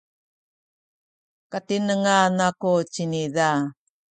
katinengan aku ciniza.